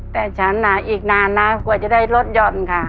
แต่ฉันอ่ะอีกนานนะกว่าจะได้ลดหย่อนค่ะ